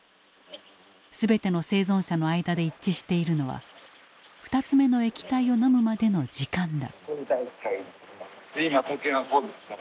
全ての生存者の間で一致しているのは２つ目の液体を飲むまでの時間だ。